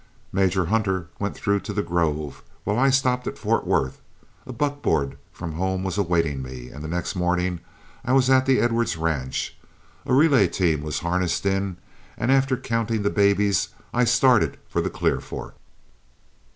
Major Hunter went through to The Grove, while I stopped at Fort Worth. A buckboard from home was awaiting me, and the next morning I was at the Edwards ranch. A relay team was harnessed in, and after counting the babies I started for the Clear Fork.